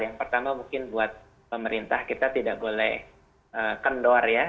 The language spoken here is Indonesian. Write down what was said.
yang pertama mungkin buat pemerintah kita tidak boleh kendor ya